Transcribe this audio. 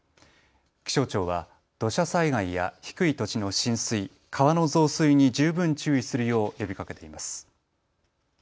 気象庁は土砂災害や低い土地の浸水、川の増水に十分注意するよう呼びかけています。